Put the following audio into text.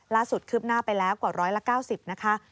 ล่าสุดคืบหน้าไปแล้วกว่าร้อยละ๙๐นะคะ